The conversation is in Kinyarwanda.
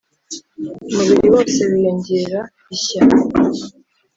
umubiri wose wiyongera ishya,